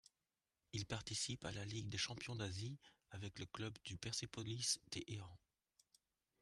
Il participe à la Ligue des champions d'Asie avec le club du Persepolis Téhéran.